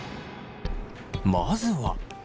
まずは。